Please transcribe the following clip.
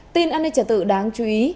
tin an ninh trả tự đáng chú ý